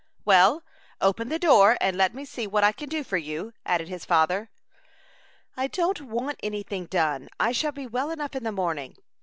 "Well, open the door, and let me see what I can do for you," added his father. "I don't want any thing done. I shall be well enough in the morning."